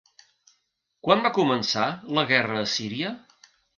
Quan va començar la guerra a Síria?